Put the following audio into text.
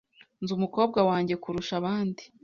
Nzi umukobwa wanjye kurusha abandi .